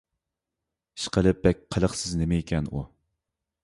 ئىشقىلىپ، بەك قىلىقسىز نېمىكەن ئۇ!